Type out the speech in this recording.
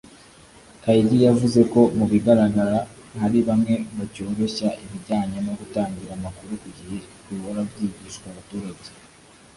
Kayigi yavuze ko mu bigaragara hari bamwe bacyoroshya ibijyanye no gutangira amakuru ku gihe bihora byigishwa abaturage